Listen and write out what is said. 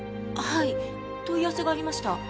はい問い合わせがありました